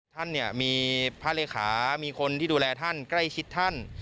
ท่านเนี่ยมีพระเลขามีคนที่ดูแลท่านใกล้ชิดท่าน